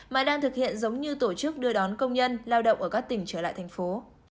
mà đang thực hiện giống như tổ chức đưa đón công nhân lao động ở các tỉnh trở lại thành phố